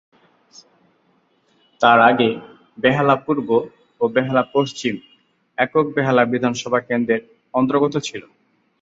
তার আগে বেহালা পূর্ব ও বেহালা পশ্চিম একক বেহালা বিধানসভা কেন্দ্রের অন্তর্গত ছিল।